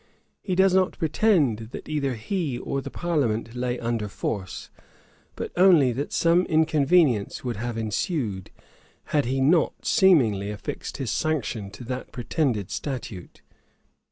He does not pretend that either he or the parliament lay under force; but only that some inconvenience would have ensued, had he not seemingly affixed his sanction to that pretended statute.